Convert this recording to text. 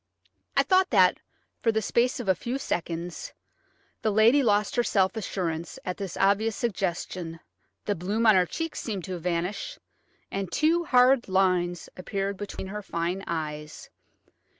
I thought that, for the space of a few seconds, the lady lost her self assurance at this obvious suggestion–the bloom on her cheeks seemed to vanish, and two hard lines appeared between her fine eyes.